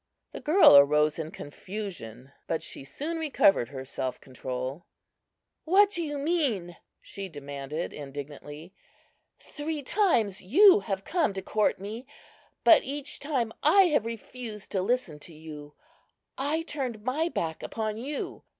The girl arose in confusion, but she soon recovered her self control. "What do you mean?" she demanded, indignantly. "Three times you have come to court me, but each time I have refused to listen to you. I turned my back upon you.